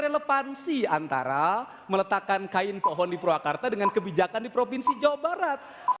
relevansi antara meletakkan kain pohon di purwakarta dengan kebijakan di provinsi jawa barat